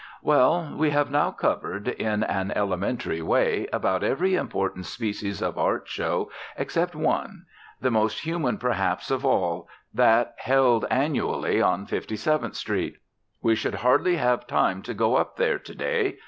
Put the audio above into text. Well, we have now covered, in an elementary way, about every important species of art show, except one, the most human perhaps of all, that held annually on Fifty seventh Street. We should hardly have time to go up there to day.